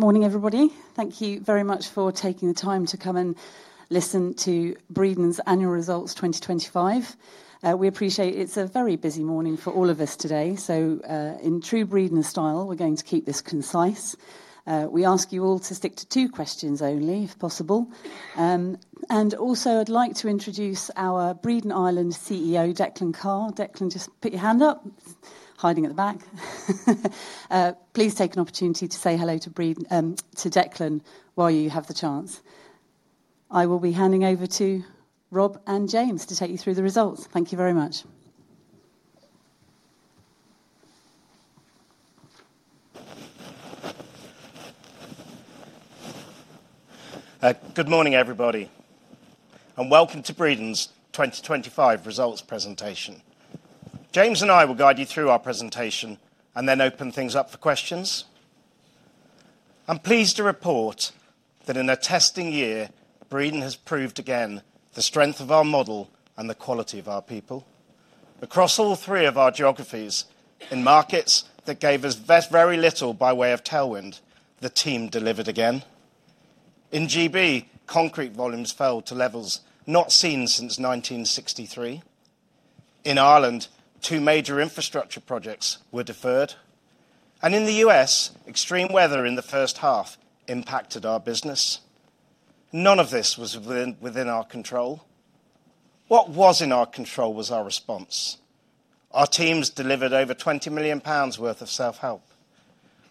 Morning, everybody. Thank you very much for taking the time to come and listen to Breedon's Annual Results 2025. We appreciate it's a very busy morning for all of us today. In true Breedon style, we're going to keep this concise. We ask you all to stick to two questions only, if possible. Also I'd like to introduce our Breedon Ireland CEO, Declan Carr. Declan, just put your hand up. Hiding at the back. Please take an opportunity to say hello to Declan while you have the chance. I will be handing over to Rob and James to take you through the results. Thank you very much. Good morning, everybody, and welcome to Breedon's 2025 Results Presentation. James and I will guide you through our presentation and then open things up for questions. I'm pleased to report that in a testing year, Breedon has proved again the strength of our model and the quality of our people. Across all three of our geographies, in markets that gave us very little by way of tailwind, the team delivered again. In GB, concrete volumes fell to levels not seen since 1963. In Ireland, two major infrastructure projects were deferred. In the U.S., extreme weather in the first-half impacted our business. None of this was within our control. What was in our control was our response. Our teams delivered over 20 million pounds worth of self-help.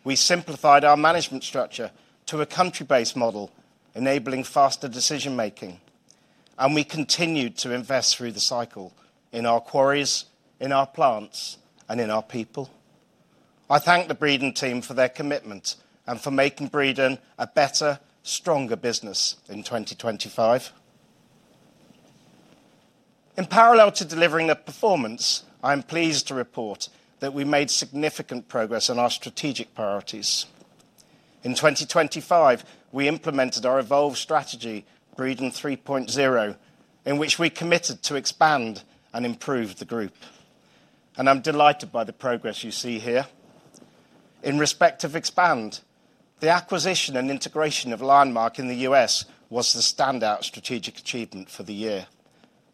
We simplified our management structure to a country-based model, enabling faster decision-making. We continued to invest through the cycle in our quarries, in our plants, and in our people. I thank the Breedon team for their commitment and for making Breedon a better, stronger business in 2025. In parallel to delivering a performance, I am pleased to report that we made significant progress on our strategic priorities. In 2025, we implemented our evolved strategy, Breedon 3.0, in which we committed to expand and improve the group. I'm delighted by the progress you see here. In respect of expand, the acquisition and integration of Lionmark in the U.S. was the standout strategic achievement for the year.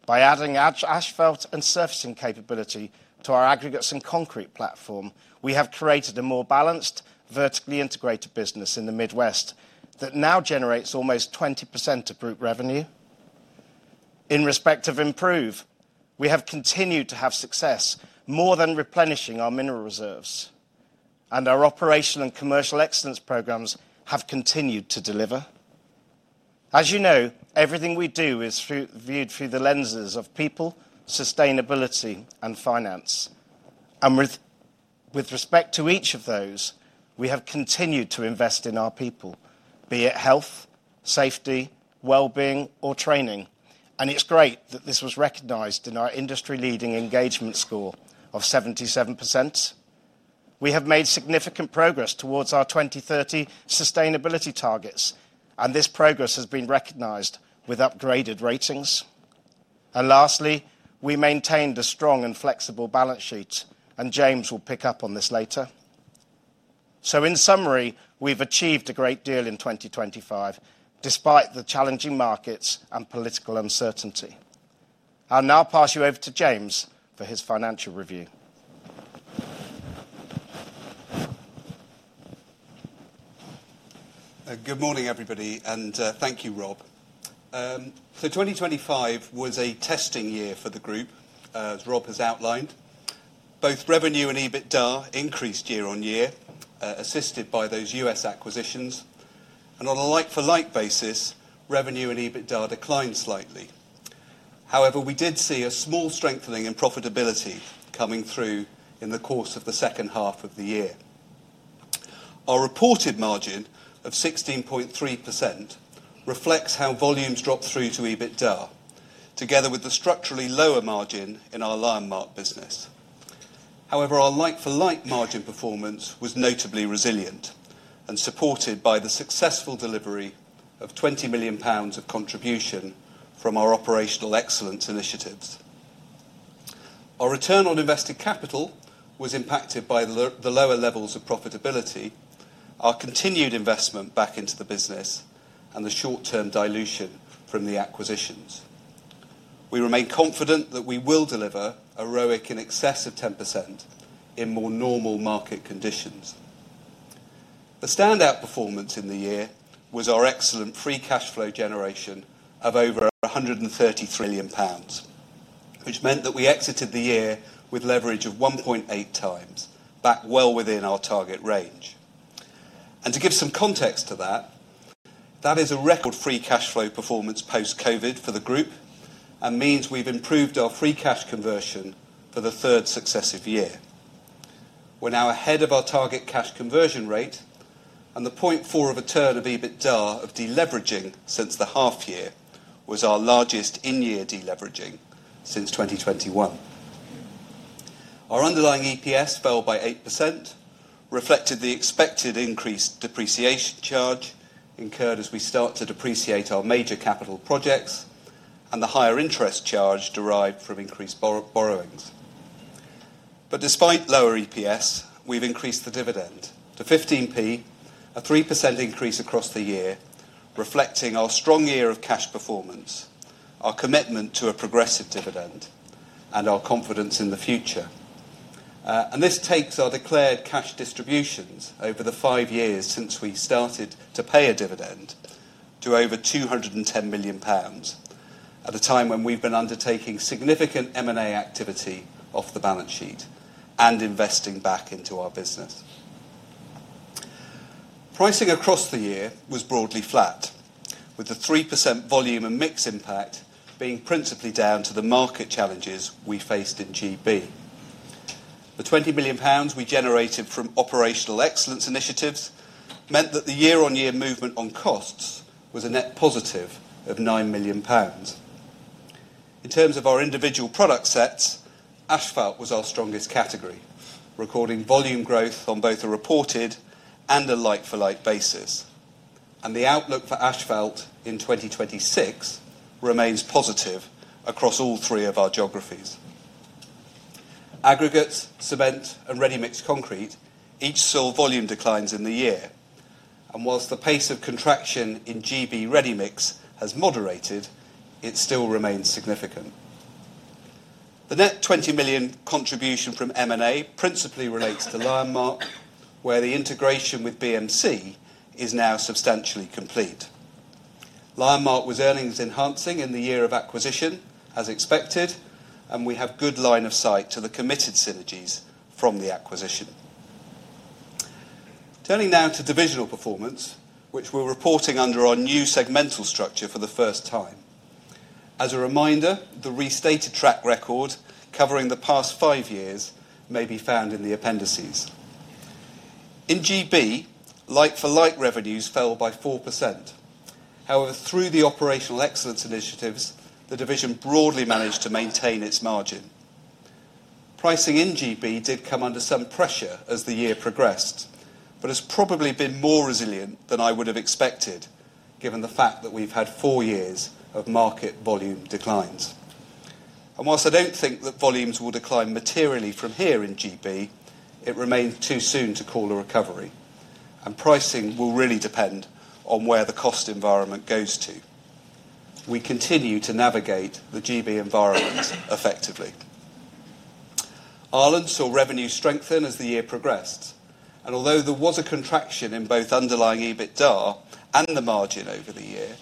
By adding asphalt and surfacing capability to our aggregates and concrete platform, we have created a more balanced, vertically integrated business in the Midwest that now generates almost 20% of group revenue. In respect of improve, we have continued to have success more than replenishing our mineral reserves, and our operation and commercial excellence programs have continued to deliver. As you know, everything we do is through, viewed through the lenses of people, sustainability, and finance. With respect to each of those, we have continued to invest in our people, be it health, safety, well-being, or training. It's great that this was recognized in our industry-leading engagement score of 77%. We have made significant progress towards our 2030 sustainability targets, and this progress has been recognized with upgraded ratings. Lastly, we maintained a strong and flexible balance sheet, and James will pick up on this later. In summary, we've achieved a great deal in 2025, despite the challenging markets and political uncertainty. I'll now pass you over to James for his financial review. Good morning, everybody, and thank you, Rob. 2025 was a testing year for the group, as Rob has outlined. Both revenue and EBITDA increased year-on-year, assisted by those U.S. acquisitions. On a like-for-like basis, revenue and EBITDA declined slightly. However, we did see a small strengthening in profitability coming through in the course of the second-half of the year. Our reported margin of 16.3% reflects how volumes dropped through to EBITDA, together with the structurally lower margin in our Lionmark business. However, our like-for-like margin performance was notably resilient and supported by the successful delivery of 20 million pounds of contribution from our operational excellence initiatives. Our return on invested capital was impacted by the lower levels of profitability, our continued investment back into the business, and the short-term dilution from the acquisitions. We remain confident that we will deliver a ROIC in excess of 10% in more normal market conditions. The standout performance in the year was our excellent free cash flow generation of over 133 million pounds, which meant that we exited the year with leverage of 1.8x, back well within our target range. To give some context to that is a record free cash flow performance post-COVID for the group and means we've improved our free cash conversion for the third successive year. We're now ahead of our target cash conversion rate, and the 0.4 of a turn of EBITDA of deleveraging since the half-year was our largest in-year deleveraging since 2021. Our underlying EPS fell by 8%, reflected the expected increased depreciation charge incurred as we start to depreciate our major capital projects and the higher interest charge derived from increased borrowings. Despite lower EPS, we've increased the dividend to 0.15, a 3% increase across the year, reflecting our strong year of cash performance, our commitment to a progressive dividend, and our confidence in the future. This takes our declared cash distributions over the five years since we started to pay a dividend to over 210 million pounds at a time when we've been undertaking significant M&A activity off the balance sheet and investing back into our business. Pricing across the year was broadly flat, with the 3% volume and mix impact being principally down to the market challenges we faced in GB. The 20 million pounds we generated from operational excellence initiatives meant that the year-on-year movement on costs was a net positive of 9 million pounds. In terms of our individual product sets, asphalt was our strongest category, recording volume growth on both a reported and a like-for-like basis. The outlook for asphalt in 2026 remains positive across all three of our geographies. Aggregates, cement, and ready-mix concrete each saw volume declines in the year. Whilst the pace of contraction in GB ready-mix has moderated, it still remains significant. The net 20 million contribution from M&A principally relates to Lionmark, where the integration with BMC is now substantially complete. Lionmark was earnings enhancing in the year of acquisition, as expected, and we have good line of sight to the committed synergies from the acquisition. Turning now to divisional performance, which we're reporting under our new segmental structure for the first time. As a reminder, the restated track record covering the past five years may be found in the appendices. In GB, like-for-like revenues fell by 4%. However, through the operational excellence initiatives, the division broadly managed to maintain its margin. Pricing in GB did come under some pressure as the year progressed, but it's probably been more resilient than I would have expected, given the fact that we've had four years of market volume declines. While I don't think that volumes will decline materially from here in GB, it remains too soon to call a recovery, and pricing will really depend on where the cost environment goes to. We continue to navigate the GB environment effectively. Ireland saw revenue strengthen as the year progressed, and although there was a contraction in both underlying EBITDA and the margin over the year,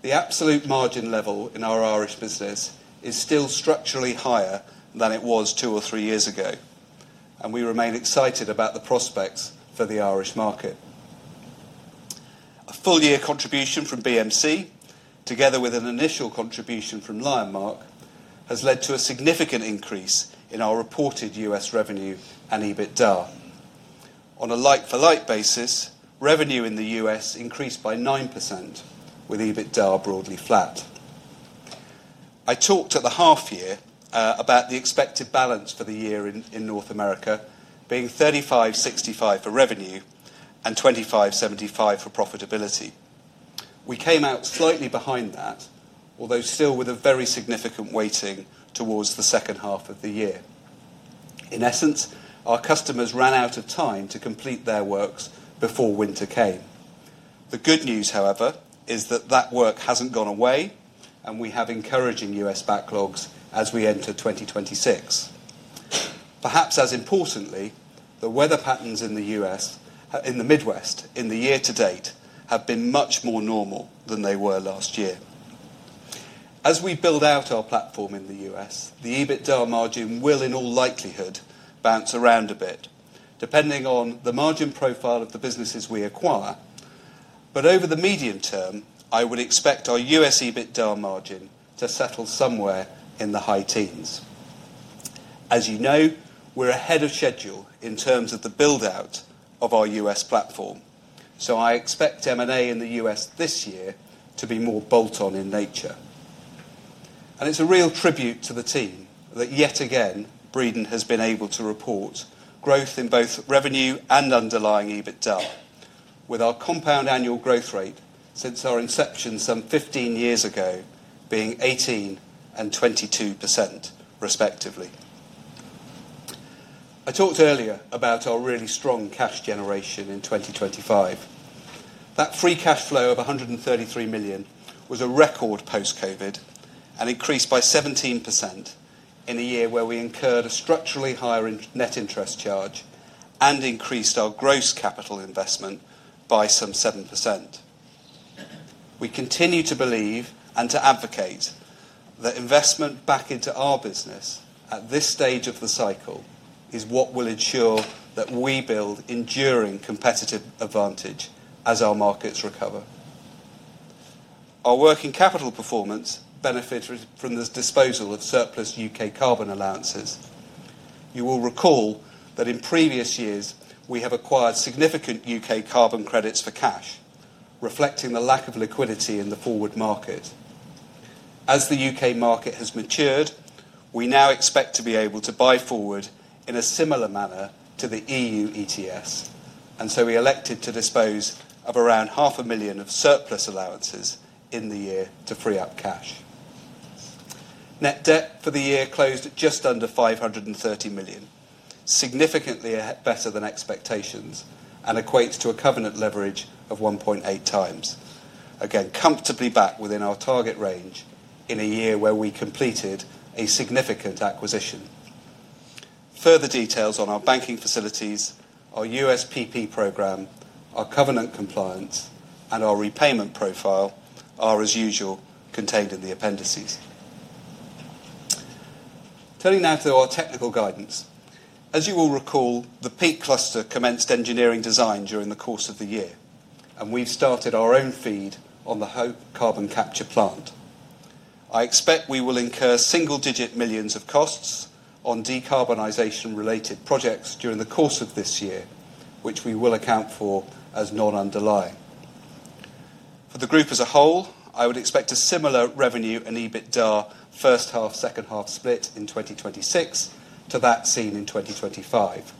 the absolute margin level in our Irish business is still structurally higher than it was two or three years ago, and we remain excited about the prospects for the Irish market. A full-year contribution from BMC, together with an initial contribution from Lionmark, has led to a significant increase in our reported U.S. revenue and EBITDA. On a like-for-like basis, revenue in the U.S. increased by 9%, with EBITDA broadly flat. I talked at the half-year about the expected balance for the year in North America being 35%-65% for revenue and 25%-75% for profitability. We came out slightly behind that, although still with a very significant weighting towards the second-half of the year. In essence, our customers ran out of time to complete their works before winter came. The good news, however, is that that work hasn't gone away, and we have encouraging U.S. backlogs as we enter 2026. Perhaps as importantly, the weather patterns in the U.S. in the Midwest in the year-to-date have been much more normal than they were last year. As we build out our platform in the U.S., the EBITDA margin will in all likelihood bounce around a bit depending on the margin profile of the businesses we acquire. Over the medium term, I would expect our U.S. EBITDA margin to settle somewhere in the high teens. As you know, we're ahead of schedule in terms of the build-out of our U.S. platform, so I expect M&A in the U.S. this year to be more bolt-on in nature. It's a real tribute to the team that yet again, Breedon has been able to report growth in both revenue and underlying EBITDA, with our compound annual growth rate since our inception some 15 years ago being 18% and 22% respectively. I talked earlier about our really strong cash generation in 2025. That free cash flow of 133 million was a record post-COVID and increased by 17% in a year where we incurred a structurally higher net interest charge and increased our gross capital investment by some 7%. We continue to believe and to advocate that investment back into our business at this stage of the cycle is what will ensure that we build enduring competitive advantage as our markets recover. Our working capital performance benefited from the disposal of surplus U.K. carbon allowances. You will recall that in previous years, we have acquired significant U.K. carbon credits for cash, reflecting the lack of liquidity in the forward market. As the U.K. market has matured, we now expect to be able to buy forward in a similar manner to the E.U. ETS, and so we elected to dispose of around 500,000 surplus allowances in the year to free up cash. Net debt for the year closed at just under 530 million, significantly better than expectations and equates to a covenant leverage of 1.8x. Again, comfortably back within our target range in a year where we completed a significant acquisition. Further details on our banking facilities, our U.S. PP program, our covenant compliance, and our repayment profile are, as usual, contained in the appendices. Turning now to our technical guidance. As you will recall, the Peak Cluster commenced engineering design during the course of the year, and we started our own FEED on the Hope carbon capture plant. I expect we will incur single-digit millions of costs on decarbonization related projects during the course of this year, which we will account for as non-underlying. For the group as a whole, I would expect a similar revenue and EBITDA first-half, second-half split in 2026 to that seen in 2025.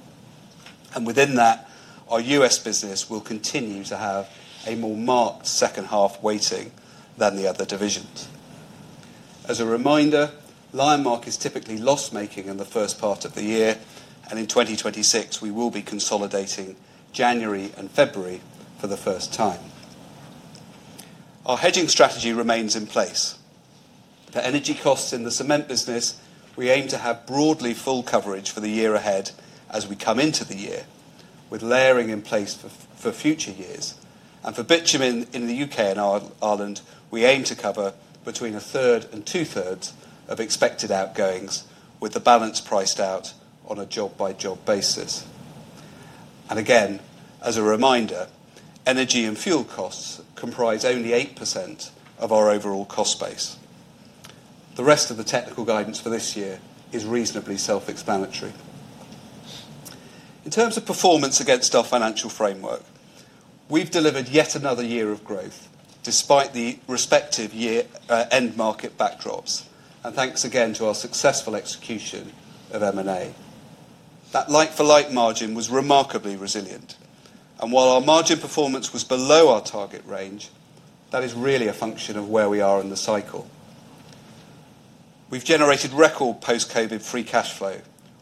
Within that, our U.S. business will continue to have a more marked second-half weighting than the other divisions. As a reminder, Lionmark is typically loss-making in the first part of the year, and in 2026, we will be consolidating January and February for the first time. Our hedging strategy remains in place. For energy costs in the cement business, we aim to have broadly full coverage for the year ahead as we come into the year, with layering in place for future years. For bitumen in the U.K. and Ireland, we aim to cover between 1/3 and 2/3 of expected outgoings with the balance priced out on a job-by-job basis. Again, as a reminder, energy and fuel costs comprise only 8% of our overall cost base. The rest of the technical guidance for this year is reasonably self-explanatory. In terms of performance against our financial framework, we've delivered yet another year of growth despite the respective year, end market backdrops, and thanks again to our successful execution of M&A. That like-for-like margin was remarkably resilient. While our margin performance was below our target range, that is really a function of where we are in the cycle. We've generated record post-COVID free cash flow,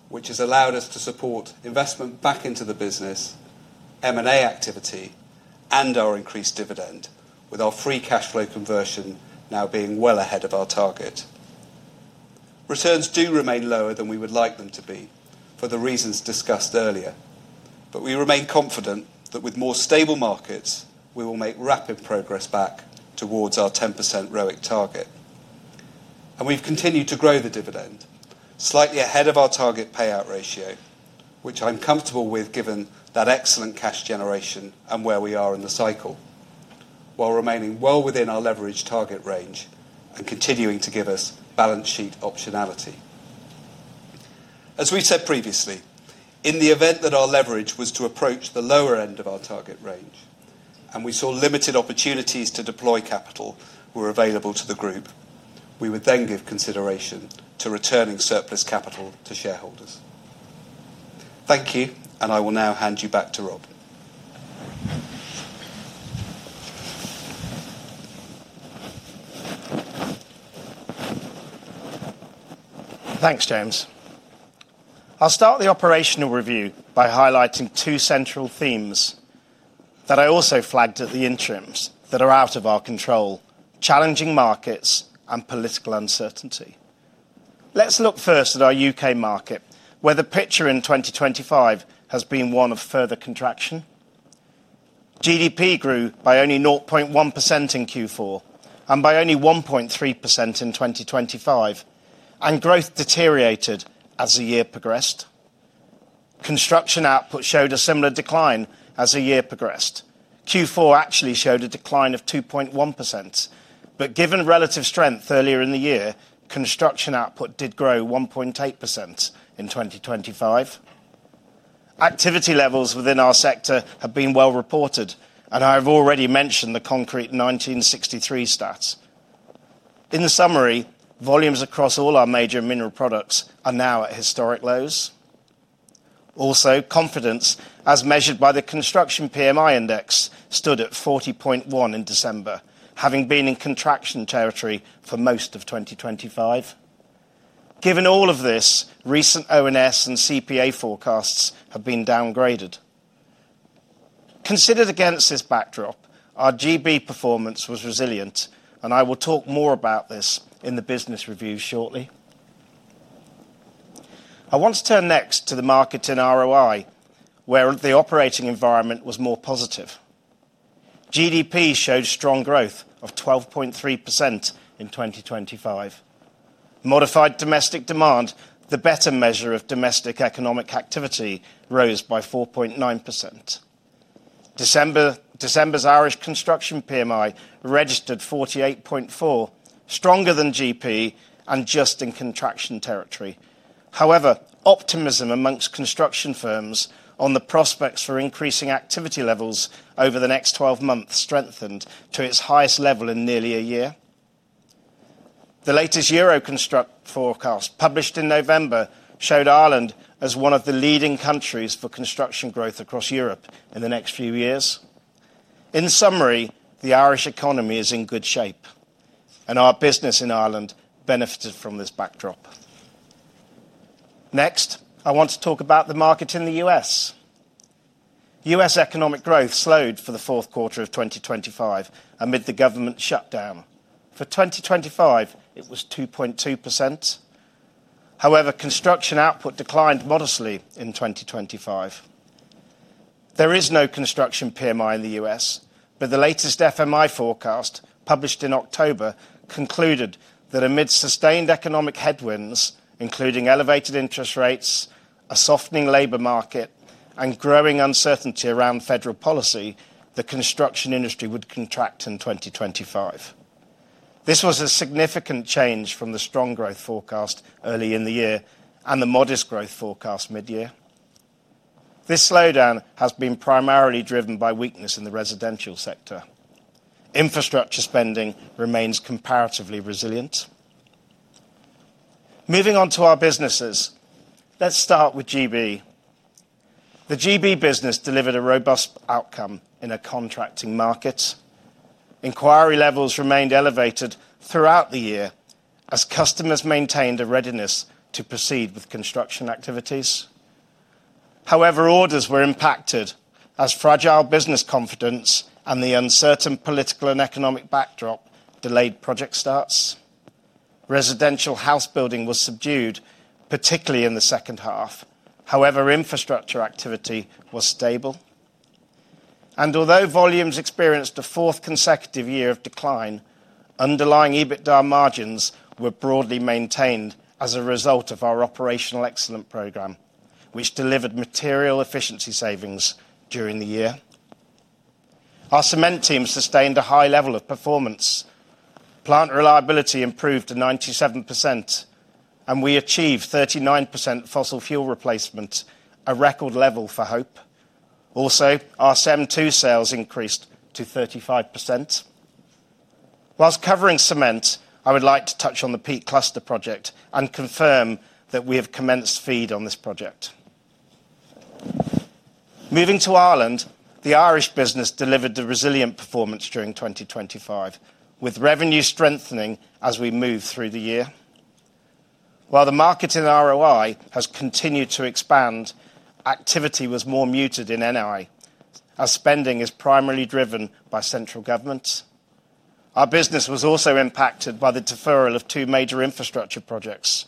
which has allowed us to support investment back into the business, M&A activity, and our increased dividend, with our free cash flow conversion now being well ahead of our target. Returns do remain lower than we would like them to be for the reasons discussed earlier. We remain confident that with more stable markets, we will make rapid progress back towards our 10% ROIC target. We've continued to grow the dividend slightly ahead of our target payout ratio, which I'm comfortable with given that excellent cash generation and where we are in the cycle, while remaining well within our leverage target range and continuing to give us balance sheet optionality. As we said previously, in the event that our leverage was to approach the lower end of our target range, and we saw limited opportunities to deploy capital were available to the group, we would then give consideration to returning surplus capital to shareholders. Thank you, and I will now hand you back to Rob. Thanks, James. I'll start the operational review by highlighting two central themes that I also flagged at the interims that are out of our control, challenging markets and political uncertainty. Let's look first at our U.K. market, where the picture in 2025 has been one of further contraction. GDP grew by only 0.1% in Q4, and by only 1.3% in 2025, and growth deteriorated as the year progressed. Construction output showed a similar decline as the year progressed. Q4 actually showed a decline of 2.1%. But given relative strength earlier in the year, construction output did grow 1.8% in 2025. Activity levels within our sector have been well-reported, and I have already mentioned the Concrete 1963 stats. In the summary, volumes across all our major mineral products are now at historic lows. Also, confidence, as measured by the Construction PMI Index, stood at 40.1 in December, having been in contraction territory for most of 2025. Given all of this, recent ONS and CPA forecasts have been downgraded. Considered against this backdrop, our GB performance was resilient, and I will talk more about this in the business review shortly. I want to turn next to the market in Ireland, where the operating environment was more positive. GDP showed strong growth of 12.3% in 2025. Modified domestic demand, the better measure of domestic economic activity, rose by 4.9%. December's Irish Construction PMI registered 48.4, stronger than GB and just in contraction territory. However, optimism amongst construction firms on the prospects for increasing activity levels over the next 12 months strengthened to its highest level in nearly a year. The latest Euroconstruct forecast, published in November, showed Ireland as one of the leading countries for construction growth across Europe in the next few years. In summary, the Irish economy is in good shape, and our business in Ireland benefited from this backdrop. Next, I want to talk about the market in the U.S. U.S. economic growth slowed for the fourth quarter of 2025 amid the government shutdown. For 2025, it was 2.2%. However, construction output declined modestly in 2025. There is no Construction PMI in the U.S., but the latest FMI forecast, published in October, concluded that amid sustained economic headwinds, including elevated interest rates, a softening labor market and growing uncertainty around federal policy, the construction industry would contract in 2025. This was a significant change from the strong growth forecast early in the year and the modest growth forecast midyear. This slowdown has been primarily driven by weakness in the residential sector. Infrastructure spending remains comparatively resilient. Moving on to our businesses. Let's start with GB. The GB business delivered a robust outcome in a contracting market. Inquiry levels remained elevated throughout the year as customers maintained a readiness to proceed with construction activities. However, orders were impacted as fragile business confidence and the uncertain political and economic backdrop delayed project starts. Residential house building was subdued, particularly in the second-half. However, infrastructure activity was stable. Although volumes experienced a fourth consecutive year of decline, underlying EBITDA margins were broadly maintained as a result of our operational excellence program, which delivered material efficiency savings during the year. Our cement team sustained a high level of performance. Plant reliability improved to 97%, and we achieved 39% fossil fuel replacement, a record level for Hope. Also, our CEM II sales increased to 35%. While covering cement, I would like to touch on the Peak Cluster project and confirm that we have commenced FEED on this project. Moving to Ireland, the Irish business delivered a resilient performance during 2025, with revenue strengthening as we move through the year. While the market in ROI has continued to expand, activity was more muted in NI as spending is primarily driven by central government. Our business was also impacted by the deferral of two major infrastructure projects.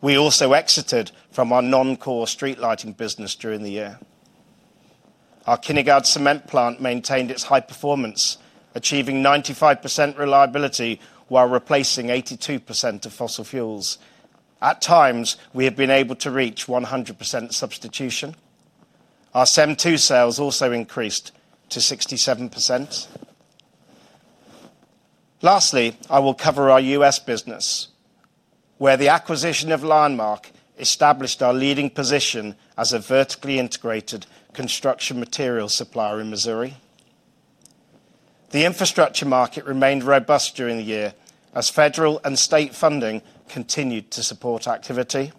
We also exited from our non-core street lighting business during the year. Our Kinnegad cement plant maintained its high performance, achieving 95% reliability while replacing 82% of fossil fuels. At times, we have been able to reach 100% substitution. Our CEM II sales also increased to 67%. Lastly, I will cover our U.S. business, where the acquisition of Lionmark established our leading position as a vertically integrated construction material supplier in Missouri. The infrastructure market remained robust during the year as federal and state funding continued to support activity.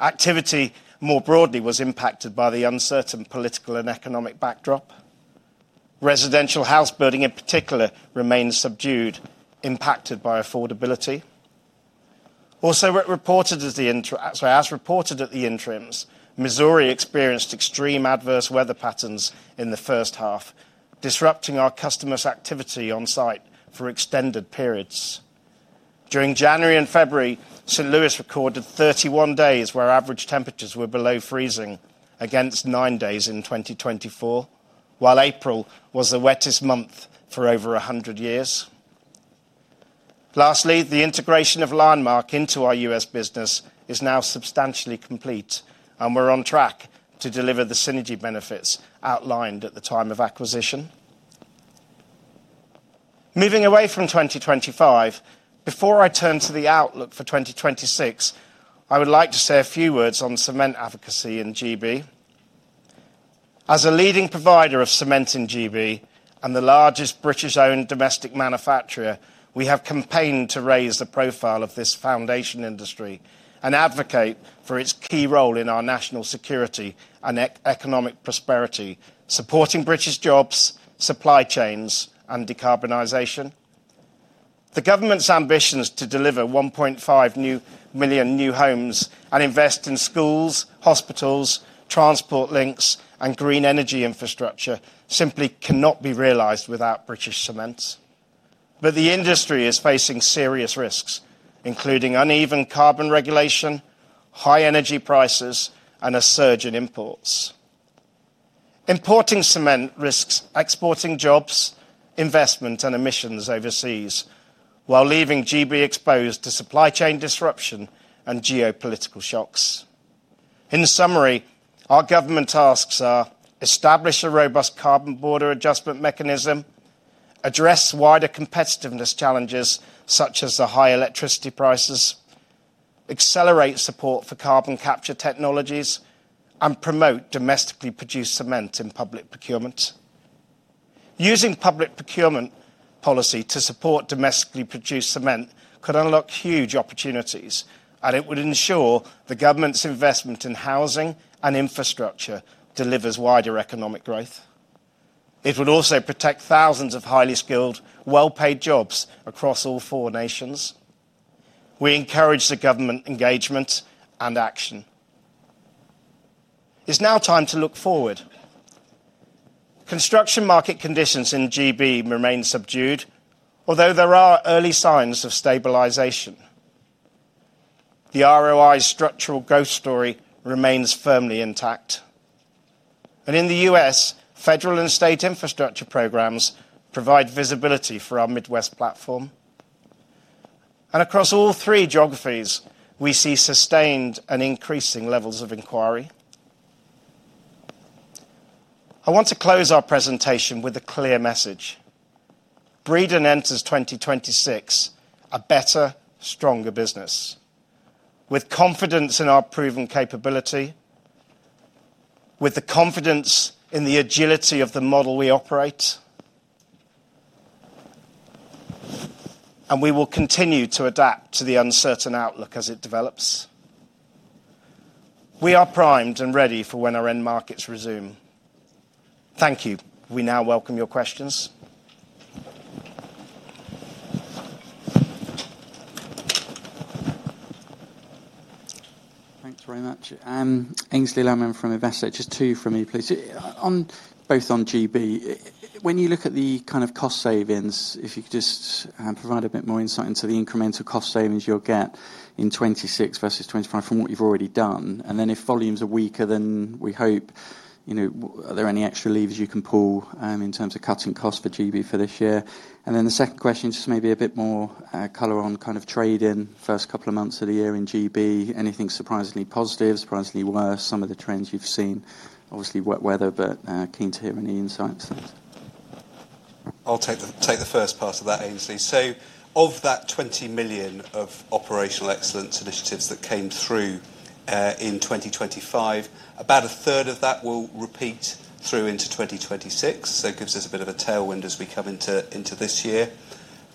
Activity, more broadly, was impacted by the uncertain political and economic backdrop. Residential house building, in particular, remains subdued, impacted by affordability. Also, as reported at the interims, Missouri experienced extreme adverse weather patterns in the first-half, disrupting our customers' activity on site for extended periods. During January and February, St. Louis recorded 31 days where average temperatures were below freezing against nine days in 2024, while April was the wettest month for over 100 years. Lastly, the integration of Lionmark into our U.S. business is now substantially complete, and we're on track to deliver the synergy benefits outlined at the time of acquisition. Moving away from 2025, before I turn to the outlook for 2026, I would like to say a few words on cement advocacy in GB. As a leading provider of cement in GB and the largest British-owned domestic manufacturer, we have campaigned to raise the profile of this foundation industry and advocate for its key role in our national security and economic prosperity, supporting British jobs, supply chains, and decarbonization. The government's ambitions to deliver 1.5 million new homes and invest in schools, hospitals, transport links, and green energy infrastructure simply cannot be realized without British cements. The industry is facing serious risks, including uneven carbon regulation, high energy prices, and a surge in imports. Importing cement risks exporting jobs, investment, and emissions overseas, while leaving GB exposed to supply chain disruption and geopolitical shocks. In summary, our government's tasks are to establish a robust Carbon Border Adjustment Mechanism, address wider competitiveness challenges, such as the high electricity prices, accelerate support for carbon capture technologies, and promote domestically produced cement in public procurement. Using public procurement policy to support domestically produced cement could unlock huge opportunities, and it would ensure the government's investment in housing and infrastructure delivers wider economic growth. It would also protect thousands of highly skilled, well-paid jobs across all four nations. We encourage the government engagement and action. It's now time to look forward. Construction market conditions in GB remain subdued, although there are early signs of stabilization. The ROI structural growth story remains firmly intact. In the U.S., federal and state infrastructure programs provide visibility for our Midwest platform. Across all three geographies, we see sustained and increasing levels of inquiry. I want to close our presentation with a clear message. Breedon enters 2026 a better, stronger business with confidence in our proven capability, with the confidence in the agility of the model we operate. We will continue to adapt to the uncertain outlook as it develops. We are primed and ready for when our end markets resume. Thank you. We now welcome your questions. Thanks very much. Aynsley Lammin from Investec. Just two from me, please. Both on GB. When you look at the kind of cost savings, if you could just provide a bit more insight into the incremental cost savings you'll get in 2026 versus 2025 from what you've already done. If volumes are weaker than we hope, you know, are there any extra levers you can pull in terms of cutting costs for GB for this year? The second question, just maybe a bit more color on kind of trade in first couple of months of the year in GB. Anything surprisingly positive, surprisingly worse, some of the trends you've seen, obviously, weather, but keen to hear any insights. I'll take the first part of that, Aynsley. Of that 20 million of operational excellence initiatives that came through in 2025, about 1/3 of that will repeat through into 2026. It gives us a bit of a tailwind as we come into this year.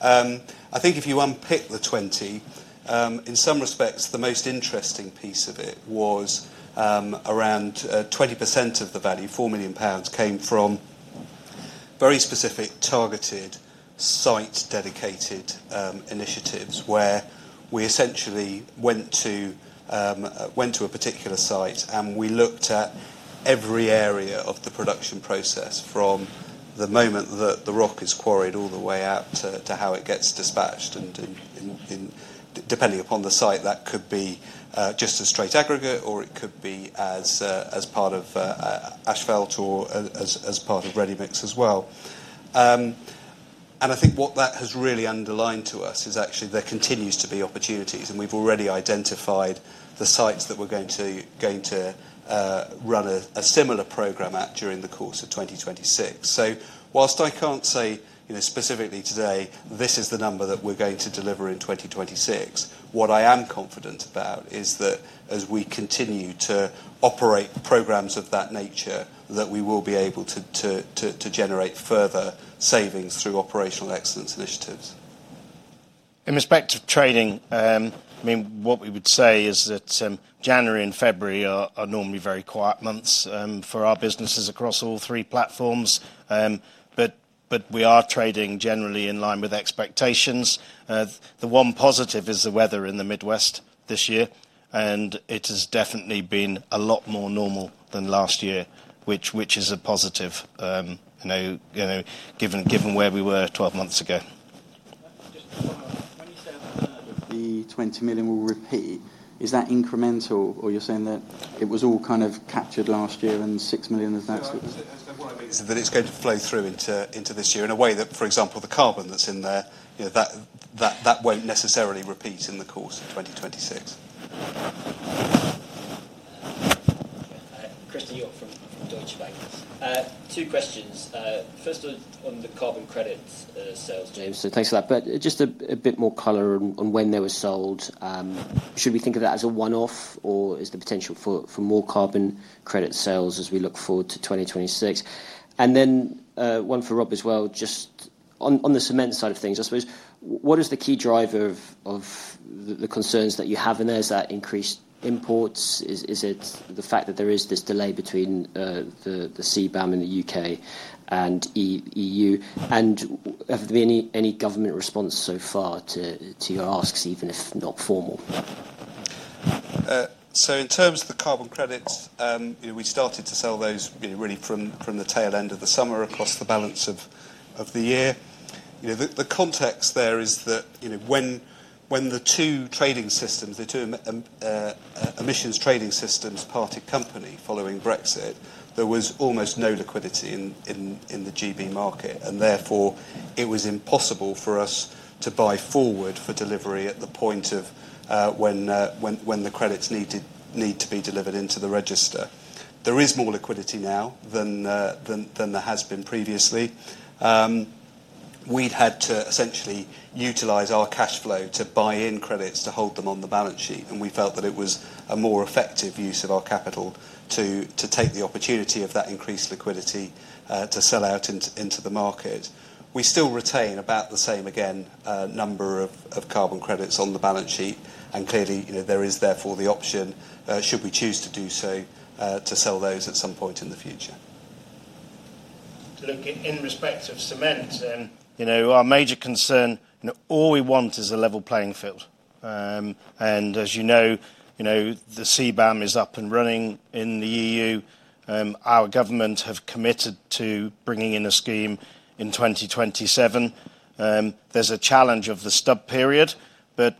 I think if you unpick the 20 million, in some respects, the most interesting piece of it was around 20% of the value, 4 million pounds, came from very specific, targeted, site-dedicated initiatives, where we essentially went to a particular site, and we looked at every area of the production process from the moment that the rock is quarried all the way out to how it gets dispatched. Depending upon the site, that could be just a straight aggregate, or it could be as part of asphalt or as part of ready-mix as well. I think what that has really underlined to us is actually there continues to be opportunities, and we've already identified the sites that we're going to run a similar program at during the course of 2026. Whilst I can't say, you know, specifically today, this is the number that we're going to deliver in 2026, what I am confident about is that as we continue to operate programs of that nature, that we will be able to generate further savings through operational excellence initiatives. In respect to trading, I mean, what we would say is that January and February are normally very quiet months for our businesses across all three platforms. We are trading generally in line with expectations. The one positive is the weather in the Midwest this year, and it has definitely been a lot more normal than last year, which is a positive, you know, given where we were 12 months ago. Just one more. When you said 1/3 of the 20 million will repeat, is that incremental or you're saying that it was all kind of captured last year and 6 million of that? What I mean is that it's going to flow through into this year in a way that, for example, the carbon that's in there, you know, that won't necessarily repeat in the course of 2026. Christen Hjorth from Deutsche Bank. Two questions. First on the carbon credits sales, James. Thanks for that. Just a bit more color on when they were sold. Should we think of that as a one-off or is there potential for more carbon credit sales as we look forward to 2026? Then one for Rob as well, just on the cement side of things, I suppose. What is the key driver of the concerns that you have? And is that increased imports? Is it the fact that there is this delay between the CBAM in the U.K. and E.U.? And have there been any government response so far to your asks, even if not formal? In terms of the carbon credits, you know, we started to sell those, you know, really from the tail end of the summer across the balance of the year. You know, the context there is that, you know, when the two emissions trading systems parted company following Brexit, there was almost no liquidity in the GB market, and therefore it was impossible for us to buy forward for delivery at the point of when the credits need to be delivered into the register. There is more liquidity now than there has been previously. We'd had to essentially utilize our cash flow to buy in credits to hold them on the balance sheet, and we felt that it was a more effective use of our capital to take the opportunity of that increased liquidity to sell out into the market. We still retain about the same, again, number of carbon credits on the balance sheet, and clearly, you know, there is therefore the option should we choose to do so to sell those at some point in the future. To look in respect of cement, you know, our major concern, and all we want is a level playing field. As you know, you know, the CBAM is up and running in the E.U.. Our government have committed to bringing in a scheme in 2027. There's a challenge of the stub period, but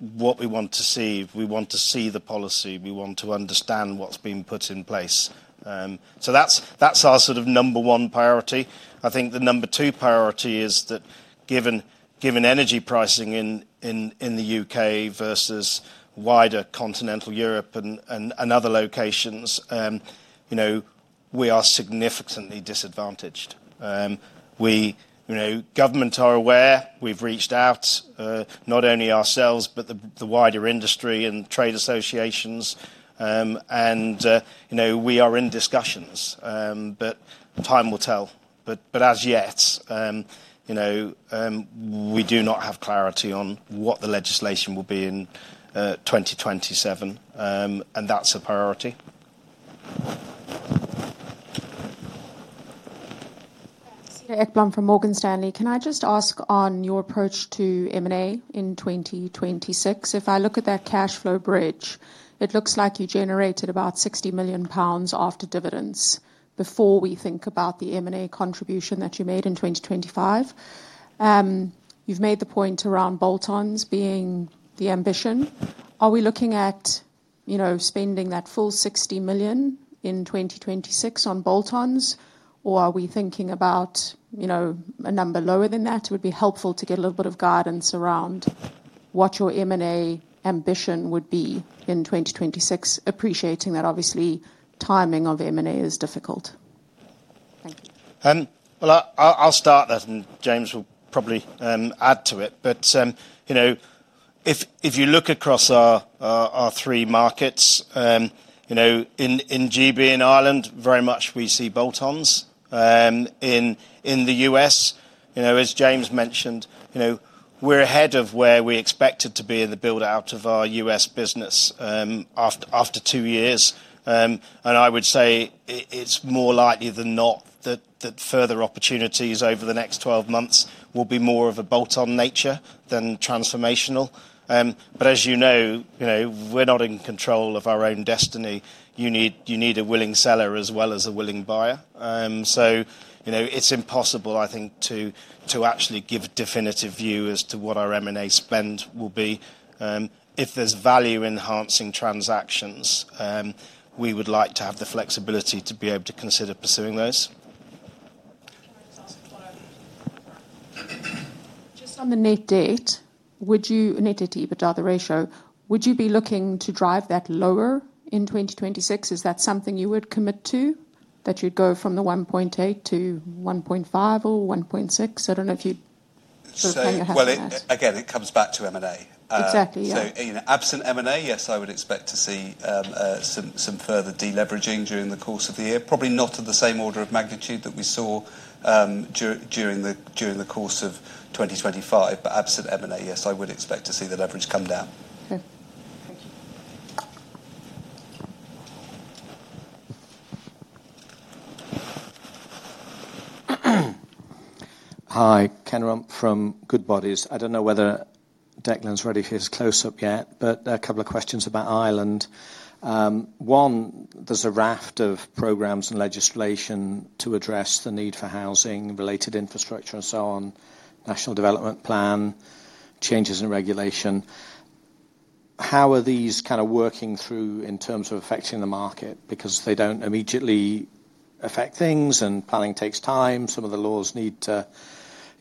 what we want to see, we want to see the policy, we want to understand what's been put in place. That's our sort of number one priority. I think the number two priority is that given energy pricing in the U.K. versus wider continental Europe and other locations, you know, we are significantly disadvantaged. You know, government are aware. We've reached out, not only ourselves, but the wider industry and trade associations. You know, we are in discussions, but time will tell. As yet, you know, we do not have clarity on what the legislation will be in 2027, and that's a priority. Cedar Ekblom from Morgan Stanley. Can I just ask on your approach to M&A in 2026? If I look at that cash flow bridge, it looks like you generated about 60 million pounds after dividends before we think about the M&A contribution that you made in 2025. You've made the point around bolt-ons being the ambition. Are we looking at, you know, spending that full 60 million in 2026 on bolt-ons, or are we thinking about, you know, a number lower than that? It would be helpful to get a little bit of guidance around what your M&A ambition would be in 2026, appreciating that obviously timing of M&A is difficult. Thank you. Well, I'll start that, and James will probably add to it. You know, if you look across our three markets, you know, in GB and Ireland, very much we see bolt-ons. In the U.S., you know, as James mentioned, you know, we're ahead of where we expected to be in the build-out of our U.S. business, after two years. I would say it's more likely than not that further opportunities over the next 12 months will be more of a bolt-on nature than transformational. As you know, you know, we're not in control of our own destiny. You need a willing seller as well as a willing buyer. You know, it's impossible, I think, to actually give definitive view as to what our M&A spend will be. If there's value-enhancing transactions, we would like to have the flexibility to be able to consider pursuing those. Can I just ask one other question? Just on the net debt to EBITDA ratio, would you be looking to drive that lower in 2026? Is that something you would commit to? That you'd go from the 1.8x to 1.5x or 1.6x? I don't know if you sort of kind of have- Well, again, it comes back to M&A. Exactly, yeah. In absent M&A, yes, I would expect to see some further deleveraging during the course of the year. Probably not at the same order of magnitude that we saw during the course of 2025. Absent M&A, yes, I would expect to see the leverage come down. Thank you. Thank you. Hi. Ken Rumph from Goodbody. I don't know whether Declan's ready for his close-up yet, but a couple of questions about Ireland. One, there's a raft of programs and legislation to address the need for housing, related infrastructure and so on, National Development Plan, changes in regulation. How are these kind of working through in terms of affecting the market? Because they don't immediately affect things, and planning takes time. Some of the laws need to,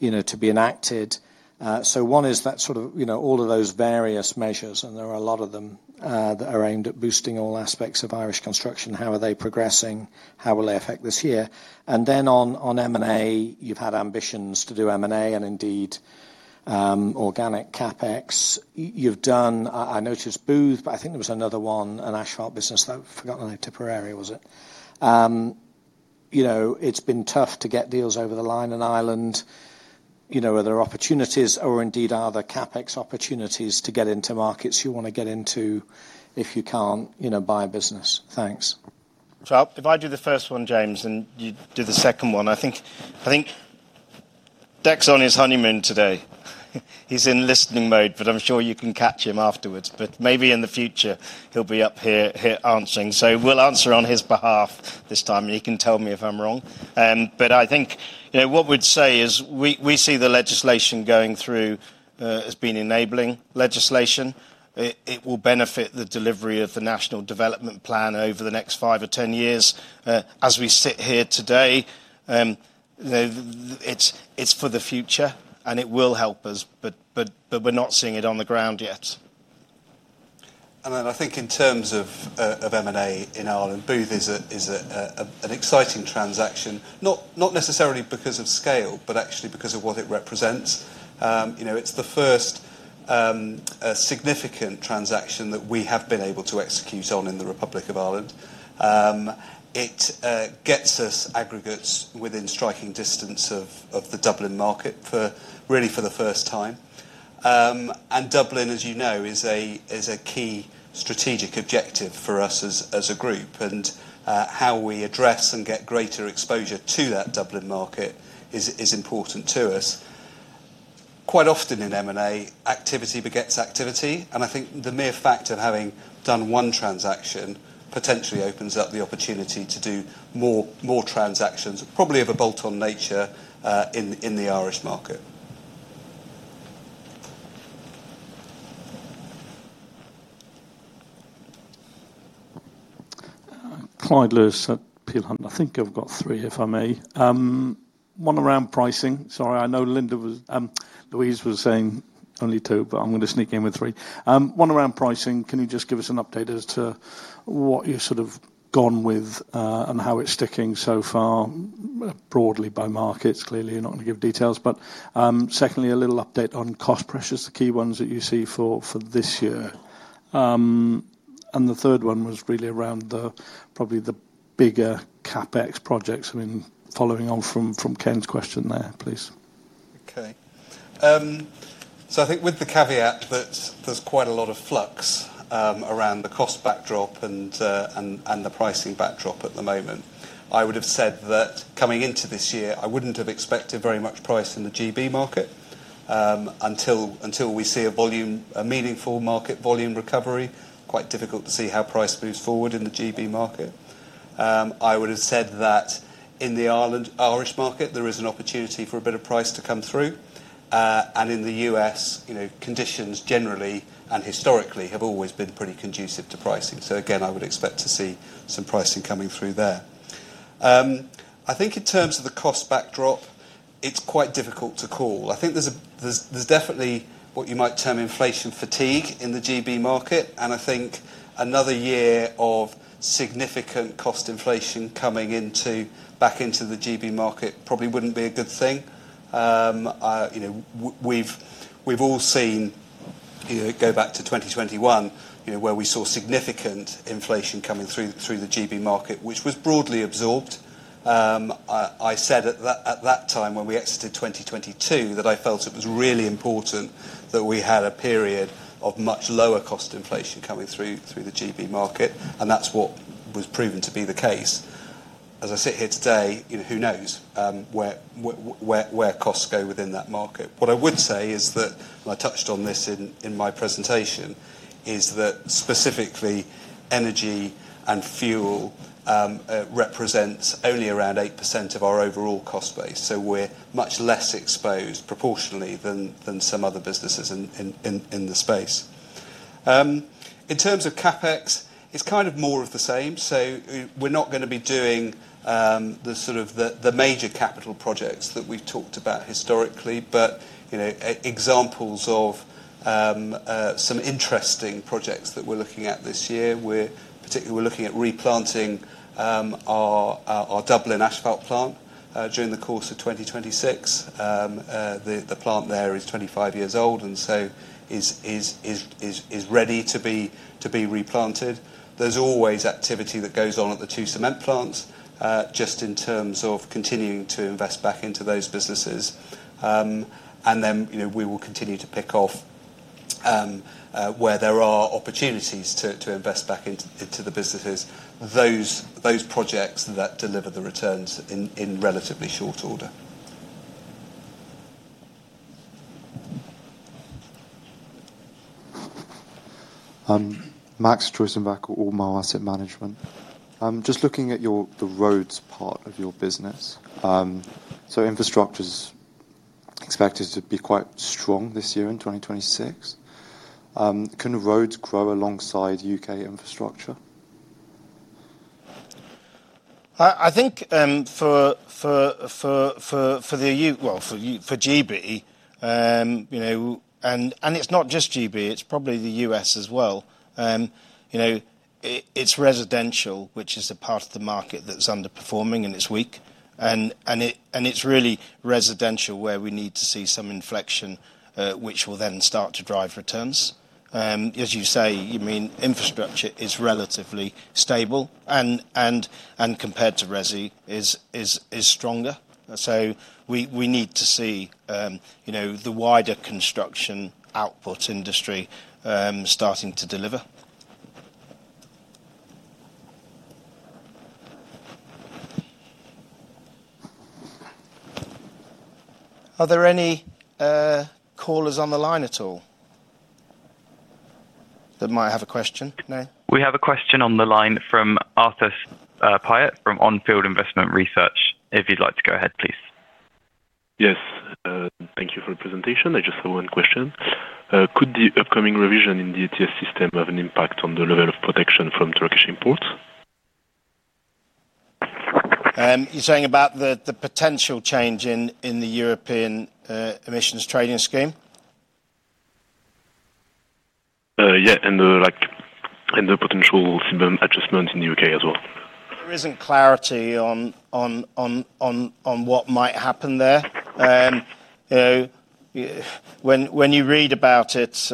you know, to be enacted. One is that sort of, you know, all of those various measures, and there are a lot of them, that are aimed at boosting all aspects of Irish construction. How are they progressing? How will they affect this year? On M&A, you've had ambitions to do M&A, and indeed, organic CapEx. You've done. I noticed Booth, but I think there was another one, an asphalt business that I've forgotten the name. Tipperary, was it? You know, it's been tough to get deals over the line in Ireland. You know, are there opportunities, or indeed, are there CapEx opportunities to get into markets you wanna get into if you can't, you know, buy a business? Thanks. If I do the first one, James, and you do the second one. I think Dec's on his honeymoon today. He's in listening mode, but I'm sure you can catch him afterwards. Maybe in the future he'll be up here answering. We'll answer on his behalf this time, and you can tell me if I'm wrong. I think, you know, what we'd say is we see the legislation going through as being enabling legislation. It will benefit the delivery of the National Development Plan over the next five or 10 years. As we sit here today, you know, it's for the future, and it will help us, but we're not seeing it on the ground yet. I think in terms of M&A in Ireland, Booth is an exciting transaction, not necessarily because of scale, but actually because of what it represents. You know, it's the first significant transaction that we have been able to execute on in the Republic of Ireland. It gets us aggregates within striking distance of the Dublin market for the first time. Dublin, as you know, is a key strategic objective for us as a group, and how we address and get greater exposure to that Dublin market is important to us. Quite often in M&A, activity begets activity, and I think the mere fact of having done one transaction potentially opens up the opportunity to do more transactions, probably of a bolt-on nature, in the Irish market. Clyde Lewis at Peel Hunt. I think I've got three, if I may. One around pricing. Sorry, I know Louise was saying only two, but I'm gonna sneak in with three. One around pricing. Can you just give us an update as to what you've sort of gone with, and how it's sticking so far broadly by markets? Clearly, you're not gonna give details. Secondly, a little update on cost pressures, the key ones that you see for this year. The third one was really around probably the bigger CapEx projects. I mean, following on from Ken's question there, please. Okay. I think with the caveat that there's quite a lot of flux around the cost backdrop and the pricing backdrop at the moment. I would have said that coming into this year, I wouldn't have expected very much price in the GB market until we see a volume, a meaningful market volume recovery. Quite difficult to see how price moves forward in the GB market. I would have said that in the Irish market, there is an opportunity for a bit of price to come through. In the U.S., you know, conditions generally and historically have always been pretty conducive to pricing. Again, I would expect to see some pricing coming through there. I think in terms of the cost backdrop, it's quite difficult to call. I think there's definitely what you might term inflation fatigue in the GB market, and I think another year of significant cost inflation coming back into the GB market probably wouldn't be a good thing. You know, we've all seen, you know, go back to 2021, you know, where we saw significant inflation coming through the GB market, which was broadly absorbed. I said at that time when we exited 2022 that I felt it was really important that we had a period of much lower cost inflation coming through the GB market, and that's what was proven to be the case. As I sit here today, you know, who knows where costs go within that market. What I would say is that, and I touched on this in my presentation, is that specifically energy and fuel represents only around 8% of our overall cost base, so we're much less exposed proportionally than some other businesses in the space. In terms of CapEx, it's kind of more of the same. We're not gonna be doing the sort of the major capital projects that we've talked about historically, but you know, examples of some interesting projects that we're looking at this year, we're particularly looking at replanting our Dublin asphalt plant during the course of 2026. The plant there is 25 years old and so is ready to be replanted. There's always activity that goes on at the two cement plants, just in terms of continuing to invest back into those businesses. You know, we will continue to pick off where there are opportunities to invest back into the businesses, those projects that deliver the returns in relatively short order. Max Joyston-Bechal, Albemarle Asset Management. Just looking at the roads part of your business. Infrastructure's expected to be quite strong this year in 2026. Can roads grow alongside U.K. infrastructure? I think for GB, you know, and it's not just GB, it's probably the U.S. as well. You know, it's residential, which is a part of the market that's underperforming and it's weak. It's really residential where we need to see some inflection, which will then start to drive returns. As you say, infrastructure is relatively stable, and compared to resi is stronger. We need to see you know the wider construction output industry starting to deliver. Are there any callers on the line at all that might have a question? No? We have a question on the line from Arnaud Pinatel from On Field Investment Research, if you'd like to go ahead, please. Yes. Thank you for the presentation. I just have one question. Could the upcoming revision in the ETS system have an impact on the level of protection from Turkish imports? You're saying about the potential change in the European emissions trading scheme? Yeah, like, the potential similar adjustments in the U.K. as well. There isn't clarity on what might happen there. You know, when you read about it,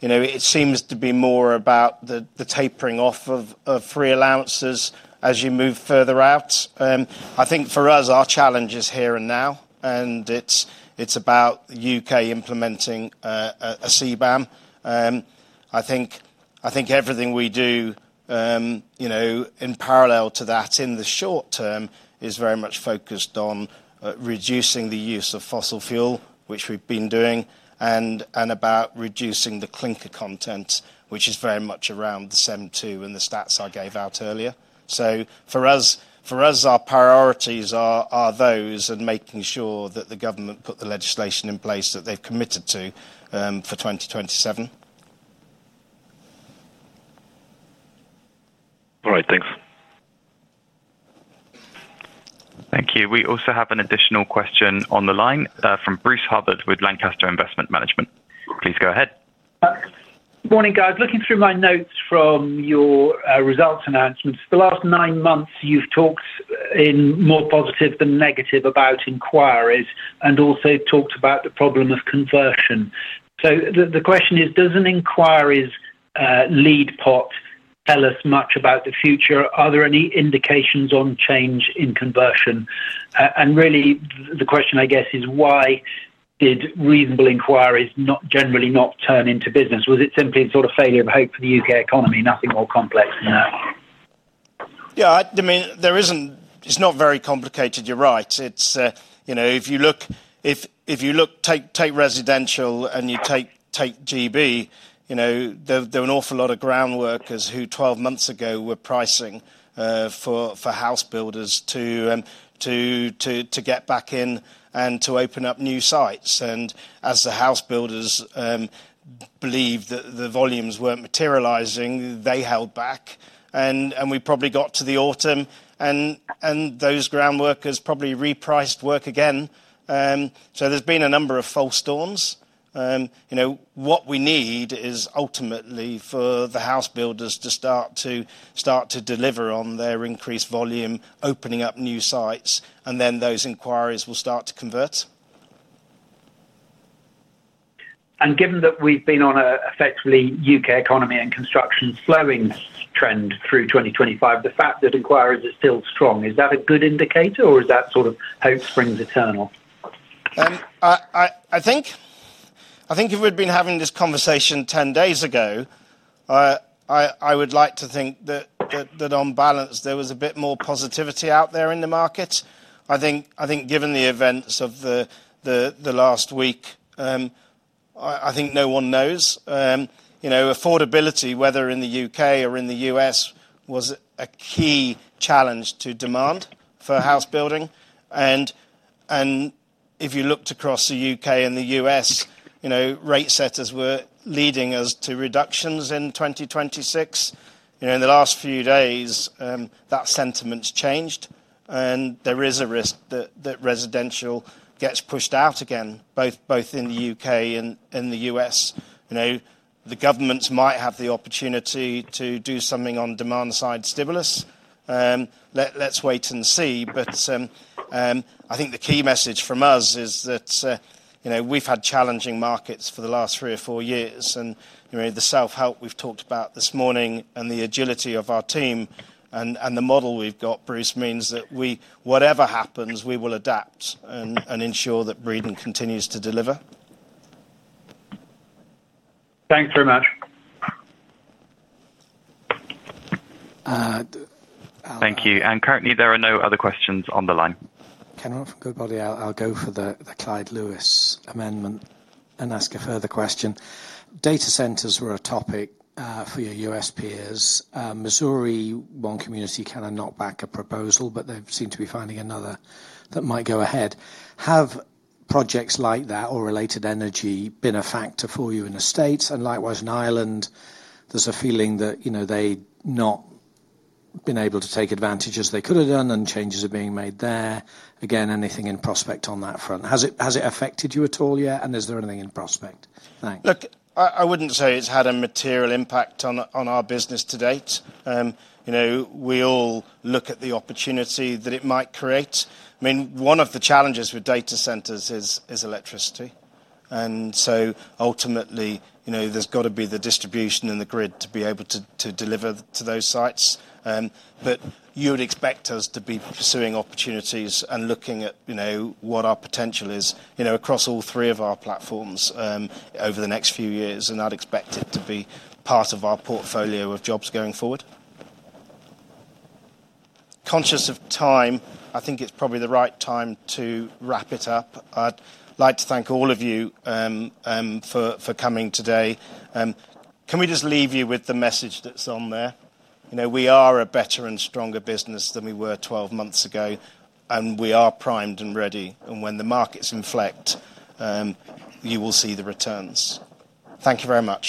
you know, it seems to be more about the tapering off of free allowances as you move further out. I think for us, our challenge is here and now, and it's about U.K. implementing a CBAM. I think everything we do, you know, in parallel to that in the short term is very much focused on reducing the use of fossil fuel, which we've been doing, and about reducing the clinker content, which is very much around the CEM II and the stats I gave out earlier. For us, our priorities are those and making sure that the government put the legislation in place that they've committed to, for 2027. All right. Thanks. Thank you. We also have an additional question on the line, from Bruce Hubbard with Lancaster Investment Management. Please go ahead. Morning, guys. Looking through my notes from your results announcements. The last nine months, you've talked in more positive than negative about inquiries and also talked about the problem of conversion. The question is, does an inquiries lead pot tell us much about the future? Are there any indications of change in conversion? Really the question I guess is why did reasonable inquiries not generally turn into business? Was it simply a sort of failing hope for the U.K. economy, nothing more complex than that? Yeah, I mean, there isn't. It's not very complicated, you're right. It's, you know, if you look, take residential and you take GB, you know, there were an awful lot of ground workers who 12 months ago were pricing for house builders to get back in and to open up new sites. As the house builders believed that the volumes weren't materializing, they held back. We probably got to the autumn and those ground workers probably repriced work again. There's been a number of false starts. You know, what we need is ultimately for the house builders to start to deliver on their increased volume, opening up new sites, and then those inquiries will start to convert. Given that we've been on an effectively U.K. economy and construction slowing trend through 2025, the fact that inquiries are still strong, is that a good indicator or is that sort of hope springs eternal? I think if we'd been having this conversation 10 days ago, I would like to think that on balance there was a bit more positivity out there in the market. I think given the events of the last week, I think no one knows. You know, affordability, whether in the U.K. or in the U.S., was a key challenge to demand for house building. If you looked across the U.K. and the U.S., you know, rate setters were leading us to reductions in 2026. You know, in the last few days, that sentiment's changed and there is a risk that residential gets pushed out again, both in the U.K. and in the U.S. You know, the governments might have the opportunity to do something on demand side stimulus. Let's wait and see. I think the key message from us is that, you know, we've had challenging markets for the last three or four years. You know, the self-help we've talked about this morning and the agility of our team and the model we've got, Bruce, means that we, whatever happens, we will adapt and ensure that Breedon continues to deliver. Thanks very much. Thank you. Currently there are no other questions on the line. From Goodbody, I'll go for the Clyde Lewis amendment and ask a further question. Data centers were a topic for your U.S. peers. In Missouri, one community has not backed a proposal, but they seem to be finding another that might go ahead. Have projects like that or related energy been a factor for you in the States? Likewise in Ireland, there's a feeling that they've not been able to take advantage as they could have done and changes are being made there. Again, anything in prospect on that front. Has it affected you at all yet? And is there anything in prospect? Thanks. Look, I wouldn't say it's had a material impact on our business to date. You know, we all look at the opportunity that it might create. I mean, one of the challenges with data centers is electricity. So ultimately, you know, there's got to be the distribution in the grid to be able to deliver to those sites. You would expect us to be pursuing opportunities and looking at, you know, what our potential is, you know, across all three of our platforms over the next few years. I'd expect it to be part of our portfolio of jobs going forward. Conscious of time, I think it's probably the right time to wrap it up. I'd like to thank all of you for coming today. Can we just leave you with the message that's on there? You know, we are a better and stronger business than we were 12 months ago, and we are primed and ready. When the markets inflect, you will see the returns. Thank you very much.